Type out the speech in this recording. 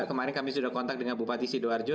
kemarin kami sudah kontak dengan bupati sidoarjo